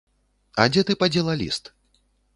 А дзе ты падзела ліст?